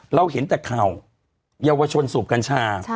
เราเห็นแต่ข่าวเยาวชนสูบกัญชา